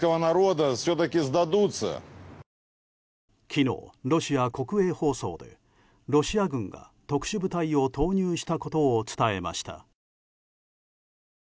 昨日、ロシア国営放送でロシア軍が特殊部隊を投入したことを伝えました。